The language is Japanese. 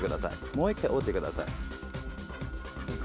もう１回折ってください。